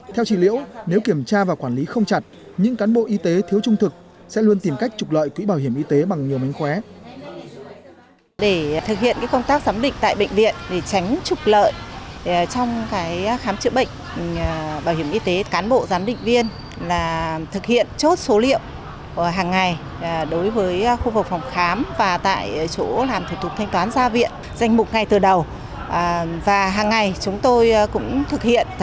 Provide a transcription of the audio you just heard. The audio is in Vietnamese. theo chị liễu nếu kiểm tra và quản lý không chặt những cán bộ y tế thiếu trung thực sẽ luôn tìm cách trục lợi quỹ bảo hiểm y tế bằng nhiều mánh khóe